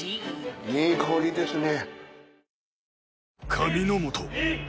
いい香りですね。